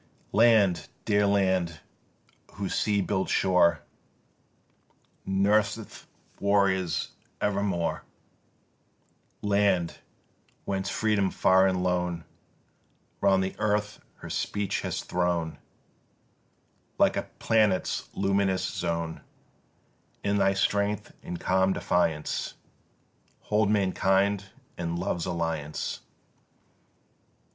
Land, dear land, whose sea built shore Nurseth warriors evermore, Land, whence Freedom far and lone Round the earth her speech has thrown Like a planet's luminous zone, In thy strength and calm defiance Hold mankind in love's alliance!